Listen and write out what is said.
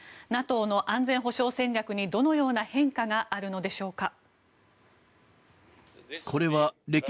ＮＡＴＯの安全保障戦略にどのような変化があるのでしょうか。